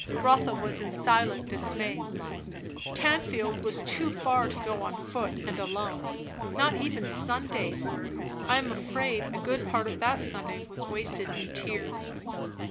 Rotha was in silent dismay. Tanfield was too far to go on foot and alone. Not even Sunday? I am afraid a good part of that Sunday was wasted in tears.